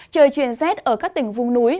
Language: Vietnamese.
trời chuyển rét ở các tỉnh vùng núi